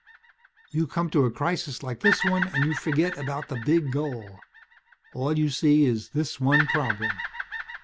"You come to a crisis like this one and you forget about the big goal. All you see is this one problem.